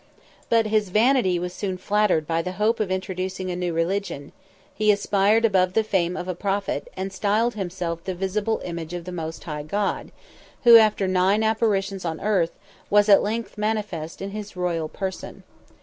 But his vanity was soon flattered by the hope of introducing a new religion; he aspired above the fame of a prophet, and styled himself the visible image of the Most High God, who, after nine apparitions on earth, was at length manifest in his royal person.